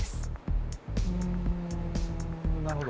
うんなるほど。